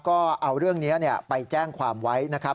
ก็เอาเรื่องนี้ไปแจ้งความไว้นะครับ